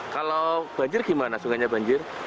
kalau banjir gimana sungainya banjir